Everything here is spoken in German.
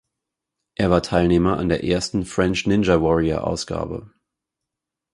Er war Teilnehmer an der ersten French Ninja Warrior Ausgabe.